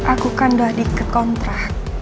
aku kan doa dikit kontrak